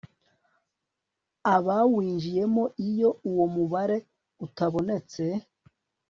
abawinjiyemo iyo uwo mubare utabonetse